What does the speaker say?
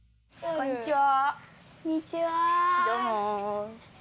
こんにちは。